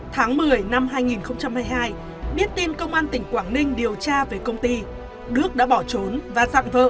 tháng một mươi năm hai nghìn hai mươi hai biết tin công an tỉnh quảng ninh điều tra về công ty đức đã bỏ trốn và dặn vợ